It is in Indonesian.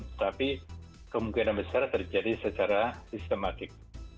tetapi kemungkinan besar terjadi secara sistematik